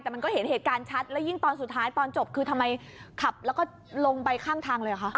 แต่มันก็เห็นเหตุการณ์ชัดแล้วยิ่งตอนสุดท้ายตอนจบคือทำไมขับแล้วก็ลงไปข้างทางเลยเหรอคะ